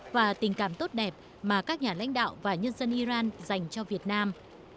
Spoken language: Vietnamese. và tình cảm tốt đẹp mà các nhà lãnh đạo và nhân dân iran dành cho việt nam